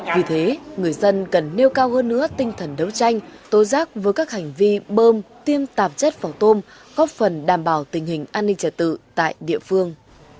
vì thế người dân cần nêu cao hơn nữa tinh thần đấu tranh tố giác với các hành vi bơm tiêm tạp chất vào tôm góp phần đảm bảo tình hình an ninh trả tự tại địa phương